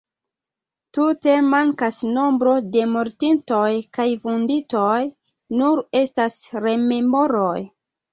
Tute mankas nombro de mortintoj kaj vunditoj, nur estas rememoroj.